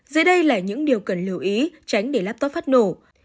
dưới đây là những điều cần lưu ý tránh để laptop phát nổ